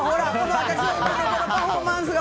私のこのパフォーマンスが。